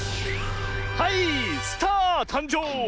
はいスターたんじょう！